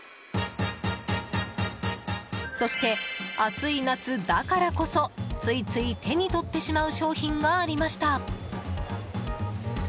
そして、暑い夏だからこそついつい手に取ってしまう商品がありました。